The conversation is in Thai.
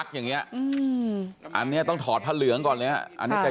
อ๋อตีเขาตีเขา